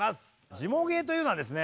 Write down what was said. ジモ芸というのはですね